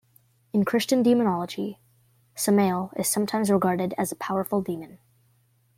In Christian demonology Samael is sometimes regarded as a powerful demon.